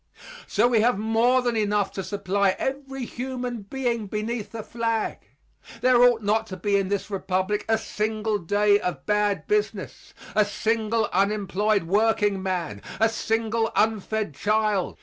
So we have more than enough to supply every human being beneath the flag. There ought not to be in this Republic a single day of bad business, a single unemployed workingman, a single unfed child.